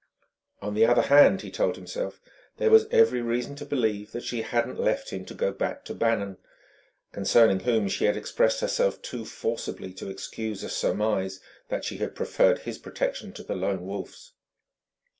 On the other hand (he told himself) there was every reason to believe she hadn't left him to go back to Bannon; concerning whom she had expressed herself too forcibly to excuse a surmise that she had preferred his protection to the Lone Wolf's.